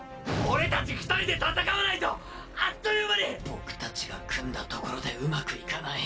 僕たちが組んだところでうまくいかない。